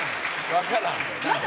分からん。